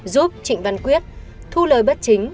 giúp trịnh văn quyết thu lời bất chính